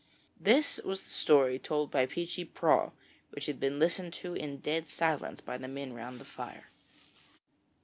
This was the story told by Peechy Prauw, which had been listened to in dead silence by the men round the fire.